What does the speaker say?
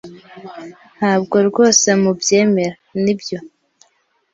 Ntabwo rwose mubyemera, nibyo?